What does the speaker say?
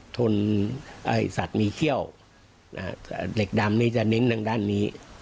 ทนสัตว์มีเขี้ยวเหล็กดำนี้จะเน้นทางด้านนี้